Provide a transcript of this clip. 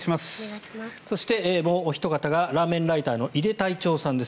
そして、もうおひと方がラーメンライターの井手隊長さんです